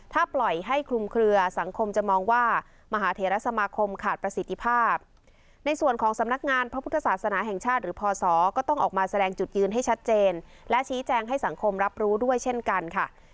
ถ้าปล่อยให้คลุมเคลือสังคมจะมองว่ามหาเทรสมาคมขาดประสิทธิภาพในส่วนของสำนักงานพระพุทธศาสนาแห่งชาติหรือพศก็ต้องออกมาแสดงจุดยืนให้ชัดเจนและชี้แจงให้สังคมรับรู้ด้วยเช่นกันค่ะ